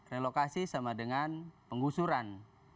relokasi sama dengan penggusuran